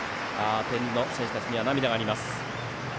天理の選手たちには涙があります。